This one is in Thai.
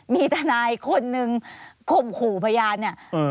มีทำัยคนหนึ่งขมครูพญาน